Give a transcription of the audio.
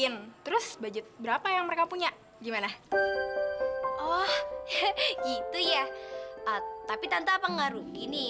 mawar mawarnya indah banget ya antoni